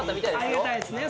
ありがたいですね